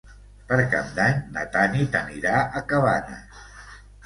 Per Cap d'Any na Tanit anirà a Cabanes.